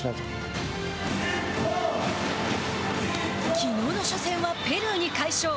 きのうの初戦はペルーに快勝。